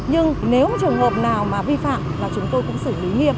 nhưng nếu trường hợp nào mà vi phạm là chúng tôi cũng xử lý nghiêm